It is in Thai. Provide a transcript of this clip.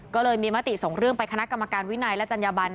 ก็เลยมีมติส่งเรื่องไปคณะกรรมการวินัยและจัญญบัน